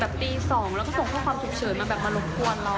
เพราะว่าหนูไม่ได้โดนแค่คนเดียวก็โดนหลายคนอย่างนี้